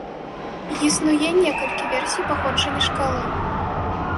Існуе некалькі версій паходжання шкалы.